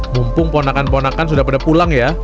mumpung ponakan ponakan sudah pada pulang ya